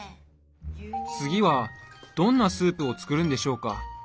次はどんなスープを作るんでしょうか？